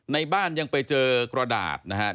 ในบ้านยังไปเจอกระดาษนะครับ